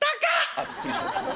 「あびっくりした。